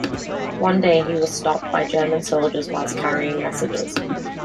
One day he was stopped by German soldiers whilst carrying messages.